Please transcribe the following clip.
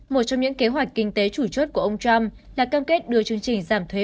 một trong những kế hoạch kinh tế chủ chốt của ông trump là cam kết đưa chương trình giảm thuế